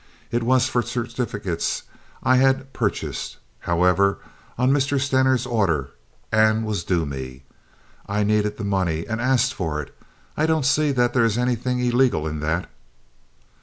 It was for certificates I had purchased, however, on Mr. Stener's order, and was due me. I needed the money, and asked for it. I don't see that there is anything illegal in that."